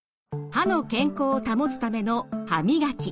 歯の健康を保つための歯磨き。